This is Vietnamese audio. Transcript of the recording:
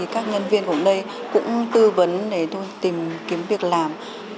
các nhân viên cũng tư vấn để tôi tìm kiếm việc làm